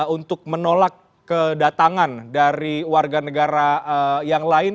untuk menolak kedatangan dari warga negara yang lain